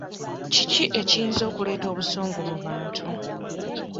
Kiki ekiyinza okuleta obusungu mu bantu?